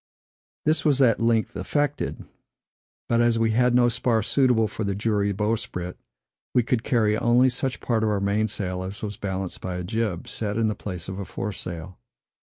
This was at length effected; but, as we had no spar suitable for a jury bowsprit, we could carry only such part of our mainsail as was balanced by a jib, set in the place of a foresail.